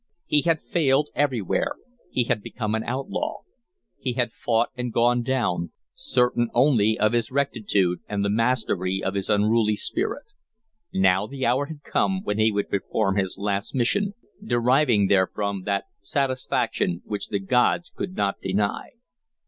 He had failed everywhere, he had become an outlaw, he had fought and gone down, certain only of his rectitude and the mastery of his unruly spirit. Now the hour had come when he would perform his last mission, deriving therefrom that satisfaction which the gods could not deny.